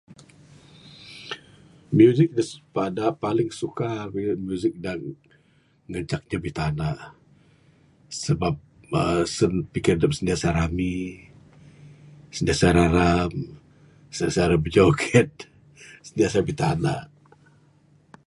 Music da pada paling suka ku yen music da nancak ti bitanda sabab aseng adep sentiasa rami sentiasa raram sentiasa ra bijoget sentiasa ra bitanda.